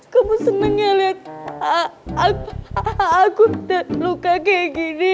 kamu seneng ya liat aku luka kayak gini